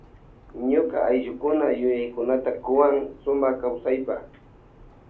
Ñuka ayllukuna yuyakunata kuwan sumak kawsaypa.